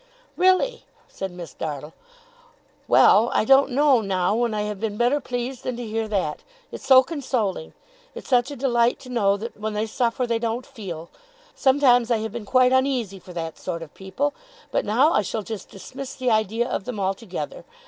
'Really!' said Miss Dartle. 'Well, I don't know, now, when I have been better pleased than to hear that. It's so consoling! It's such a delight to know that, when they suffer, they don't feel! Sometimes I have been quite uneasy for that sort of people; but now I shall just dismiss the idea of them, altogether.